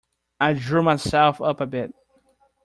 I drew myself up a bit.